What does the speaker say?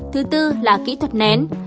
thứ bốn là kỹ thuật nén